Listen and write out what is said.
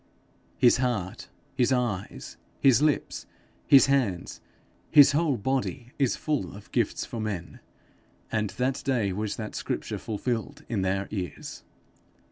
His heart, his eyes, his lips, his hands his whole body is full of gifts for men, and that day was that scripture fulfilled in their ears.